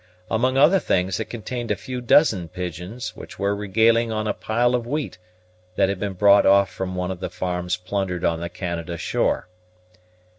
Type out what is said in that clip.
Among other things, it contained a few dozen pigeons, which were regaling on a pile of wheat that had been brought off from one of the farms plundered on the Canada shore.